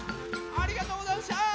ありがとうござんした。